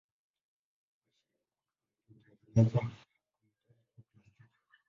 Washeli kwa kawaida hutengenezwa kwa metali au plastiki.